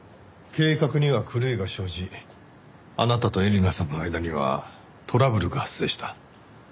計画には狂いが生じあなたと絵里奈さんの間にはトラブルが発生した。